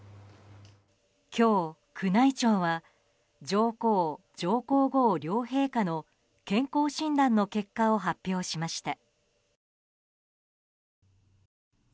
今日、宮内庁は上皇・上皇后両陛下の健康診断の結果を発表しました。